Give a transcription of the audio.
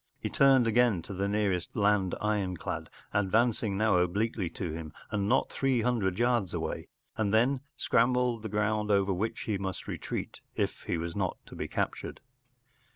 He turned again to the nearest land ironclad, advancing now obliquely to him and not three hundred yards away, and then scanned the ground over which he must retreat if he was not to be captured.